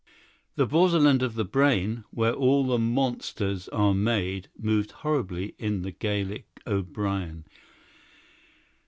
The borderland of the brain, where all the monsters are made, moved horribly in the Gaelic O'Brien.